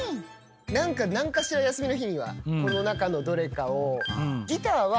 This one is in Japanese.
何か何かしら休みの日にはこの中のどれかを。